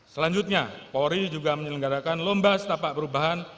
selanjutnya polri juga menyelenggarakan lomba setapak perubahan